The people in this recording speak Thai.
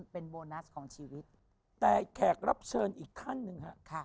เป็นโบนัสของชีวิตแต่แขกรับเชิญอีกค่ะค่ะ